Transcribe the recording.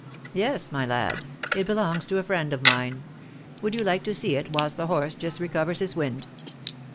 "Yes, my lad; it belongs to a friend of mine. Would you like to see it whilst the horse just recovers his wind?"